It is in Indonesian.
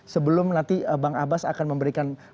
sebelum nanti bang abbas akan memberikan